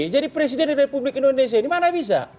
jadi presiden republik indonesia ini mana bisa